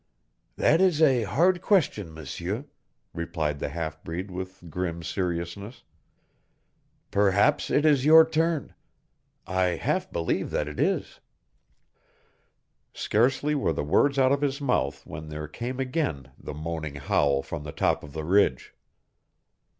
"That is a hard question, M'seur," replied the half breed with grim seriousness. "Perhaps it is your turn. I half believe that it is." Scarcely were the words out of his mouth when there came again the moaning howl from the top of the ridge.